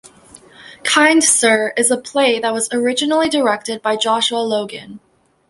Kind Sir is a play that was originally directed by Joshua Logan.